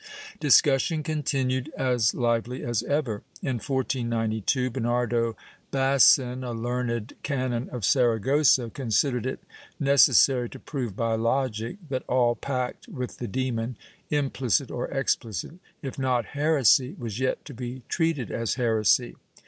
Discussion continued as hvely as ever. In 1492, Bernardo Basin, a learned canon of Saragossa, considered it necessary to prove by logic that all pact with the demon, implicit or exphcit, if not heresy was yet to be treated as heresy.'